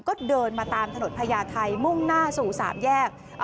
ก็เดินมาตามถนนพญาไทยมุ่งหน้าสู่๓แยก